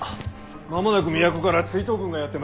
間もなく都から追討軍がやって参ります。